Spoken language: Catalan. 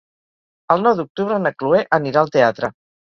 El nou d'octubre na Cloè anirà al teatre.